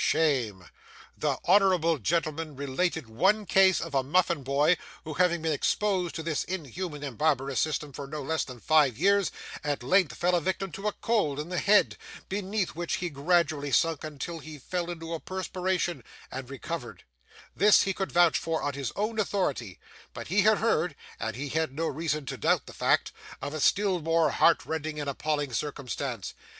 (Shame!) The honourable gentleman related one case of a muffin boy, who having been exposed to this inhuman and barbarous system for no less than five years, at length fell a victim to a cold in the head, beneath which he gradually sunk until he fell into a perspiration and recovered; this he could vouch for, on his own authority, but he had heard (and he had no reason to doubt the fact) of a still more heart rending and appalling circumstance.